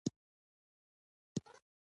مچمچۍ د وفادارۍ علامه ده